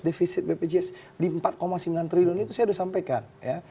defisit bpjs di empat sembilan triliun itu saya sudah sampaikan ya